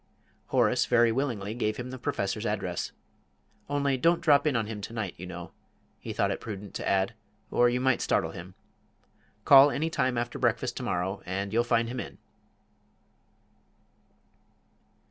Horace very willingly gave him the Professor's address. "Only don't drop in on him to night, you know," he thought it prudent to add, "or you might startle him. Call any time after breakfast to morrow, and you'll find him in."